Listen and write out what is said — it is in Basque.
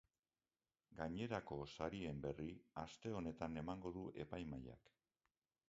Gainerako sarien berri aste honetan emango du epaimahaiak.